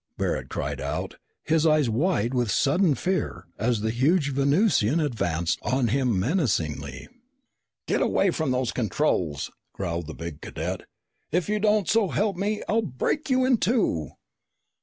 Barret cried out, his eyes wide with sudden fear as the huge Venusian advanced on him menacingly. "Get away from those controls," growled the big cadet. "If you don't, so help me, I'll break you in two!"